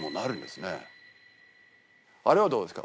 あれはどうですか？